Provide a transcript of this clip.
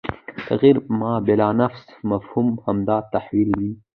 تغیر ما بالانفس مفهوم همدا تحول وي